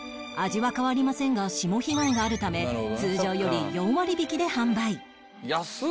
味は変わりませんが霜被害があるため通常より４割引きで販売